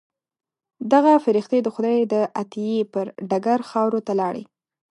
دغه فرښتې د خدای د عطیې پر ډګر خاورو ته لاړې.